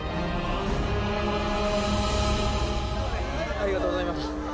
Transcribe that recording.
ありがとうございます。